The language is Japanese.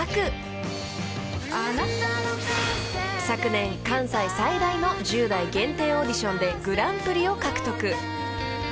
［昨年関西最大の１０代限定オーディションでグランプリを獲得］